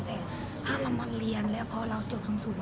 แต่ถ้าเรามาเรียนแล้วพอเราจบสูงแล้วนะคะ